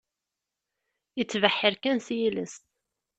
Ittbeḥḥiṛ kan s yiles.